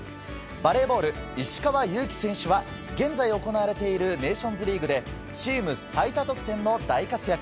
バレーボール石川祐希選手は現在行われるネーションズリーグでチーム最多得点の大活躍。